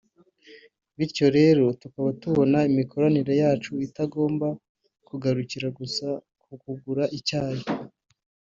Bityo rero tukaba tubona imikoranire yacu itagomba kugarukira gusa ku kugura icyayi